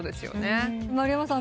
丸山さん。